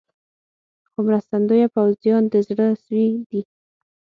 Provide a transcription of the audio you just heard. خو مرستندویه پوځیان د زړه سوي دي.